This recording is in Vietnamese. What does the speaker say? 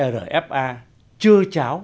rfa chơ cháo